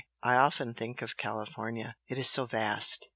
I often think of California it is so vast!